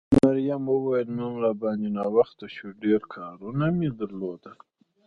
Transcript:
مريم وویل نن را باندې ناوخته شو، ډېر کارونه مې درلودل.